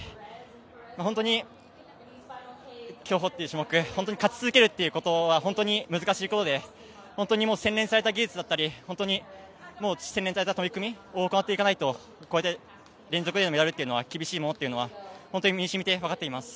本当に競歩っていう種目は勝ち続けるっていうことは本当に難しいことで、洗練された技術だったり本当に洗練された取り組みを行っていかないとこうやって連続でのメダルは厳しいものというのは本当に身にしみて分かっています。